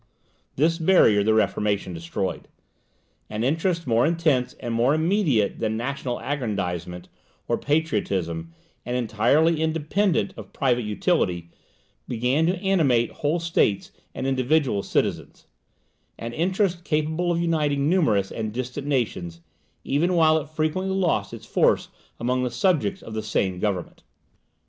This barrier the Reformation destroyed. An interest more intense and more immediate than national aggrandizement or patriotism, and entirely independent of private utility, began to animate whole states and individual citizens; an interest capable of uniting numerous and distant nations, even while it frequently lost its force among the subjects of the same government.